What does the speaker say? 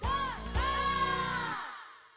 ゴー！」